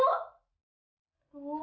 aku mau ke rumah